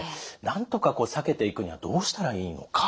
なんとか避けていくにはどうしたらいいのか。